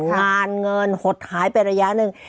งานเงินหดหายไประยะหนึ่ง